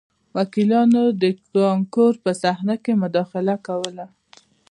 وکیلانو د کانکور په صحنه کې مداخله کوله